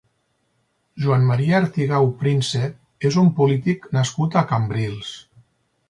Joan Maria Artigau Príncep és un polític nascut a Cambrils.